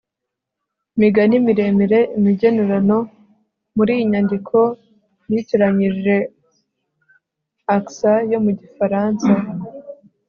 imigani miremire, imigenurano. muri iyi nyandiko yitiranyije accent yo mu gifaransa